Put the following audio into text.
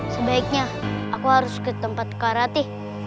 sebaiknya aku harus ke tempat kak rati